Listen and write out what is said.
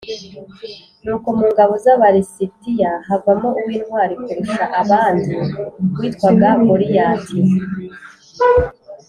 nuko mu ngabo z aba lisitiya havamo uw intwari kurusha abandi witwaga goliyati